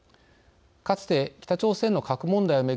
かつて北朝鮮の核問題を巡る